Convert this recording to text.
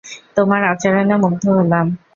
তোমার আচরণে মুগ্ধ হলাম।